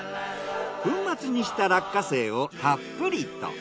粉末にした落花生をたっぷりと。